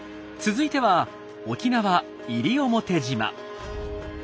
続いては沖縄西表島。